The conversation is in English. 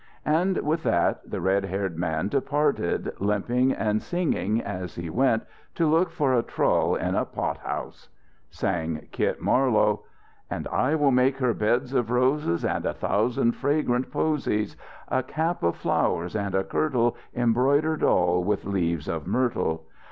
And with that the red haired man departed, limping and singing as he went to look for a trull in a pot house. Sang Kit Marlowe: "And I will make her beds of roses And a thousand fragrant posies; A cap of flowers, and a kirtle Embroidered all with leaves of myrtle.